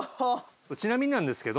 ちなみになんですけど。